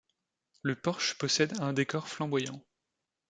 Le porche possède un décor flamboyant.